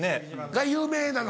が有名なの？